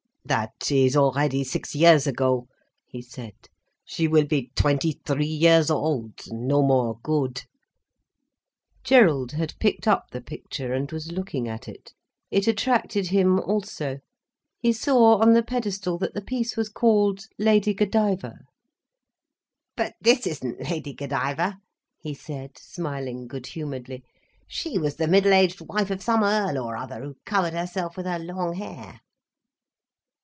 "That is already six years ago," he said; "she will be twenty three years old, no more good." Gerald had picked up the picture and was looking at it. It attracted him also. He saw on the pedestal, that the piece was called "Lady Godiva." "But this isn't Lady Godiva," he said, smiling good humouredly. "She was the middle aged wife of some Earl or other, who covered herself with her long hair."